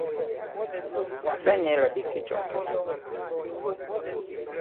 Wàsa nyɛ̄ là ɓè ke cɔ̀ŋgɛ̀.